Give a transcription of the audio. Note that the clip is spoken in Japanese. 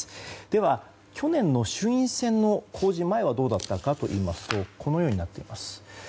では、去年の衆院選の公示前はどうだったかといいますとこのようになっています。